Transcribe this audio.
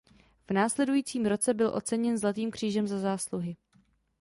V následujícím roce byl oceněn zlatým křížem za zásluhy.